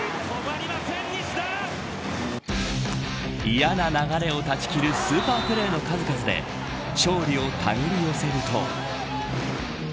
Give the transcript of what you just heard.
嫌な流れを絶ち切るスーパープレーの数々で勝利をたぐり寄せると。